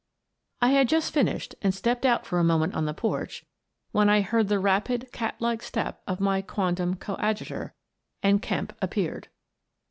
I had just finished, and stepped out for a mo ment on the porch, when I heard the rapid, cat like step of my quondam coadjutor, and Kemp appeared.